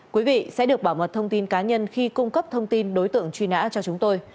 quý vị sẽ được bảo mật thông tin cá nhân khi cung cấp thông tin đối tượng truy nã cho chúng tôi